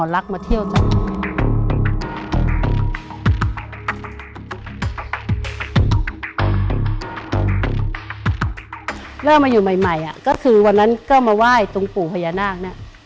เริ่มมาอยู่ใหม่ก็คือวันนั้นก็มาไหว้ตรงปู่พญานาคเนี่ย